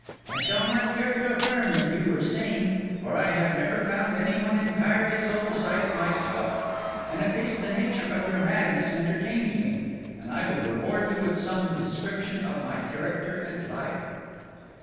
I should not care to affirm that you were sane, for I have never found any one entirely so besides myself; but at least the nature of your madness entertains me, and I will reward you with some description of my character and life.